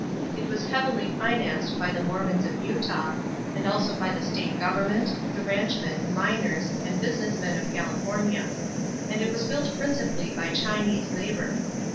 It was heavily financed by the Mormons of Utah and also by the state government, the ranchmen, miners, and business men of California; and it was built principally by Chinese labor.